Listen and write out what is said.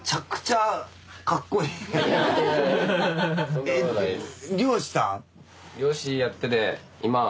そんなことないです。